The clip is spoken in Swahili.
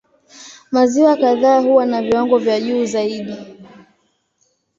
Maziwa kadhaa huwa na viwango vya juu zaidi.